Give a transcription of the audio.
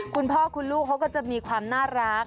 คุณพ่อคุณลูกเขาก็จะมีความน่ารัก